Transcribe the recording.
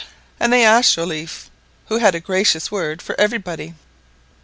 And they asked Joliffe, who had a gracious word for every body.